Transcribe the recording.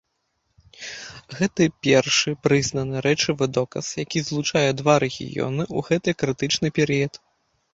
Гэта першы прызнаны рэчавы доказ, які злучае два рэгіёны ў гэты крытычны перыяд.